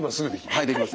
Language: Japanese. はいできます。